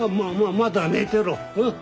まだ寝てろ。